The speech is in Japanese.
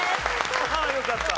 ああよかった。